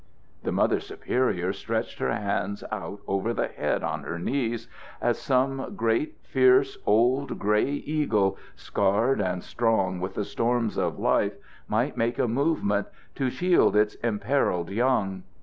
The Mother Superior stretched her hands out over the head on her knees as some great, fierce, old, gray eagle, scarred and strong with the storms of life, might make a movement to shield its imperilled young.